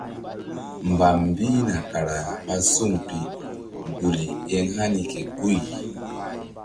Mbam mbihna kara ɓa suŋ pi duli eŋ hani ke guy.